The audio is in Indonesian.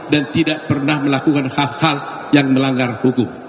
dan tidak pernah melakukan hal hal yang melanggar hukum